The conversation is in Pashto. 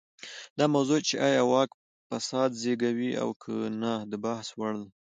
دا موضوع چې ایا واک فساد زېږوي او که نه د بحث وړ ده.